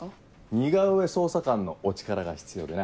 似顔絵捜査官のお力が必要でな。